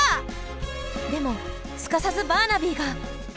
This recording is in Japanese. でもすかさずバーナビーが。